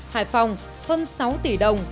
hải phòng hơn sáu tỷ đồng